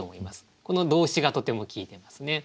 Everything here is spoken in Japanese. この動詞がとても効いてますね。